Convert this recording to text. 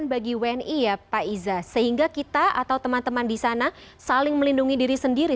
sehingga kita atau teman teman di sana saling melindungi diri sendiri sehingga kita atau teman teman di sana saling melindungi diri sendiri